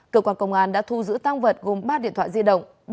cơ quan công an đã thu giữ tăng vật gồm ba điện thoại di động